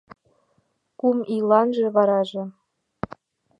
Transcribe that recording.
Кум ийланже, вараже